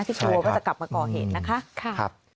กลัวว่าจะกลับมาก่อเหตุนะคะ